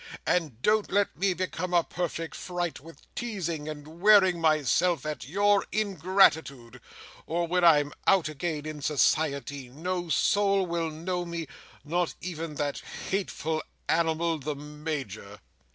And don't let me become a perfect fright with teasing and wearing myself at your ingratitude, or when I'm out again in society no soul will know me, not even that hateful animal, the Major."